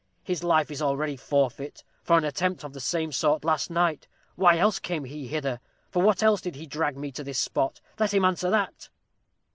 His life is already forfeit, for an attempt of the same sort last night. Why else came he hither? for what else did he drag me to this spot? Let him answer that!"